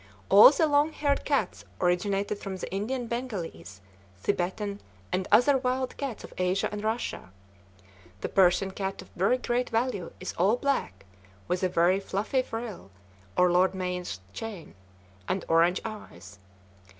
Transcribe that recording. All the long haired cats originated from the Indian Bengalese, Thibetan, and other wild cats of Asia and Russia. The Persian cat of very great value is all black, with a very fluffy frill, or lord mayor's chain, and orange eyes.